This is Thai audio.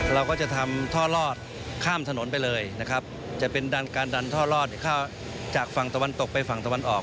เราก็จะทำท่อลอดข้ามถนนไปเลยนะครับจะเป็นดันการดันท่อลอดจากฝั่งตะวันตกไปฝั่งตะวันออก